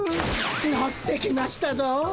のってきましたぞ！